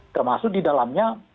termasuk di dalamnya